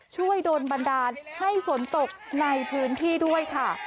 ช่วยโดนบันดาลให้ฝนตกในพื้นที่ด้วยค่ะ